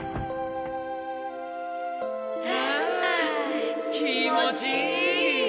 あ気持ちいい！